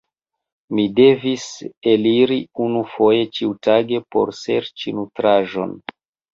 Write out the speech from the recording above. Mi devis eliri unufoje ĉiutage por serĉi nutraĵon.